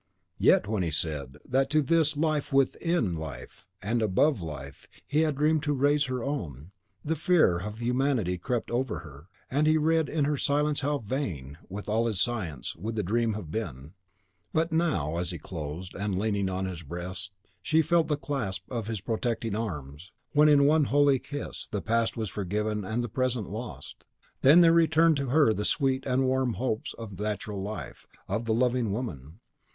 Yet, when he said (concluding his strange confessions) that to this life WITHIN life and ABOVE life he had dreamed to raise her own, the fear of humanity crept over her, and he read in her silence how vain, with all his science, would the dream have been. But now, as he closed, and, leaning on his breast, she felt the clasp of his protecting arms, when, in one holy kiss, the past was forgiven and the present lost, then there returned to her the sweet and warm hopes of the natural life, of the loving woman.